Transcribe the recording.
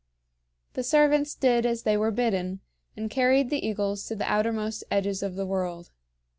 The servants did as they were bidden, and carried the eagles to the outermost edges of the world.